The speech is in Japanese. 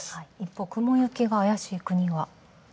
雲行きが怪しい国は？